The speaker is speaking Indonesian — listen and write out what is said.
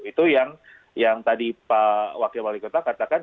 itu yang tadi pak wakil wali kota katakan